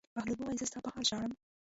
بهلول وویل: زه ستا په حال ژاړم.